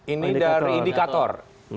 ini dari indikator